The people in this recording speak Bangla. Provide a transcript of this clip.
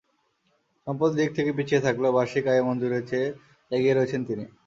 সম্পদের দিক থেকে পিছিয়ে থাকলেও বার্ষিক আয়ে মনজুরের চেয়ে এগিয়ে রয়েছেন তিনি।